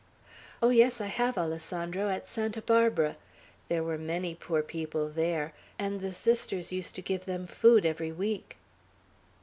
"Oh, yes, I have, Alessandro, at Santa Barbara. There were many poor people there, and the Sisters used to give them food every week."